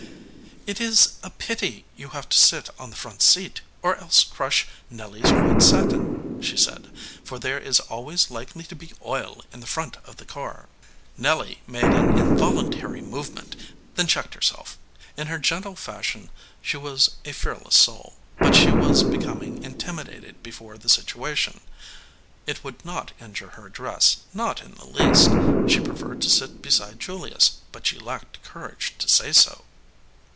"It is a pity you have to sit on the front seat, or else crush Nelly s white satin," she said, "for there is always likely to be oil in the front of the car." Nelly made an involuntary movement, then checked herself. In her gentle fashion she was a fearless soul, but she was becoming intimidated be 193 EDGEWATER PEOPLE fore the situation. It would not injure her dress, not in the least; she preferred to sit beside Julius, but she lacked courage to say so.